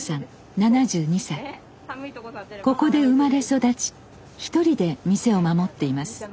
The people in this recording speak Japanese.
ここで生まれ育ち１人で店を守っています。